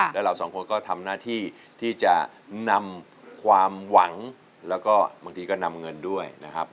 แล้วเราสองคนก็ทำหน้าที่ที่จะนำความหวังแล้วก็บางทีก็นำเงินด้วยนะครับ